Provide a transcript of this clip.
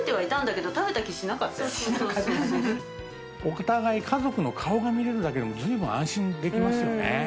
お互い家族の顔が見られるだけでも随分安心できますよね。